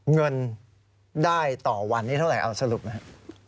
เงินได้ต่อวันนี้เท่าไหร่เอาสรุปนะครับ